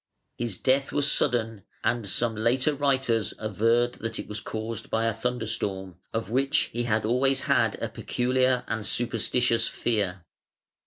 His death was sudden, and some later writers averred that it was caused by a thunderstorm, of which he had always had a peculiar and superstitious fear.